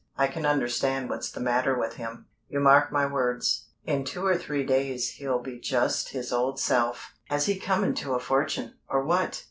I can understand what's the matter with him. You mark my words, in two or three days he'll be just his old self." "Has he come into a fortune, or what?"